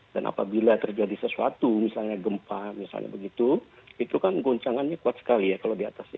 dan apabila terjadi sesuatu misalnya gempa misalnya begitu itu kan goncangannya kuat sekali ya kalau di atas